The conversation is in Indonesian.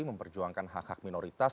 memperjuangkan hak hak minoritas